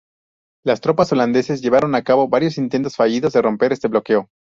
Las tropas holandesas llevaron a cabo varios intentos fallidos de romper este bloqueo.